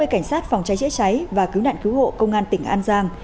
bốn mươi cảnh sát phòng cháy chữa cháy và cứu đạn cứu hộ công an tỉnh an giang